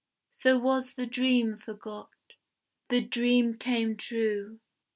So was the dream forgot. The dream came true.